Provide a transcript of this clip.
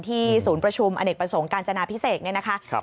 ศูนย์ประชุมอเนกประสงค์การจนาพิเศษเนี่ยนะคะ